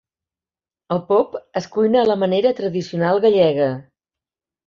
El pop es cuina a la manera tradicional gallega.